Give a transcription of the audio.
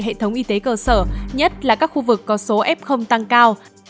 hệ thống y tế cơ sở nhất là các khu vực có số f tăng cao